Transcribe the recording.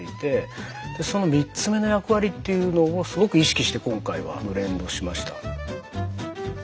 その３つ目の役割というのをすごく意識して今回はブレンドしました。